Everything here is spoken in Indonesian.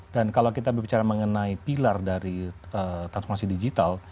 dan kalau kita berbicara mengenai pilar dari transformasi digital